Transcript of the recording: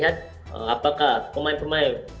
dan saya juga bisa memperbaiki kemahiran saya